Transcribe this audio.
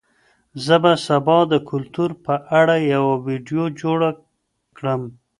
زه به سبا د کلتور په اړه یوه ویډیو جوړه کړم.